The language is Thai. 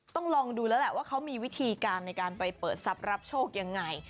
ต้องลองดูแล้วแหละว่าเขามีวิธีการในการไปเปิดทรัพย์รับโชคยังไง